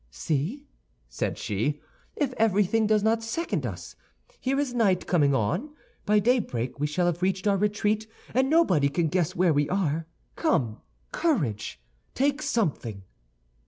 "See," said she, "if everything does not second us! Here is night coming on; by daybreak we shall have reached our retreat, and nobody can guess where we are. Come, courage! take something."